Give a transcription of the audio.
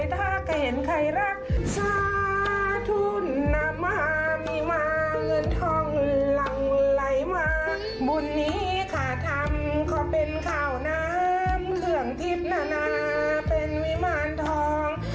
เพื่อนท่องหลังไหลมาบุญนี้ข้าทำขอเป็นข้าวน้ำเครื่องทิพย์นานาเป็นวิมาณทอง